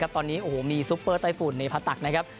ตอนนี้มีซุปเปอร์ไต้ฝุ่นในพาตัก